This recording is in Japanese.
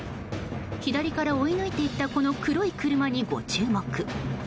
左から追い抜いて行ったこの黒い車にご注目。